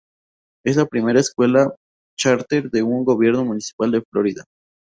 Es la primera escuela charter de un gobierno municipal de Florida.